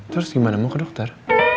terus gimana mau ke dokter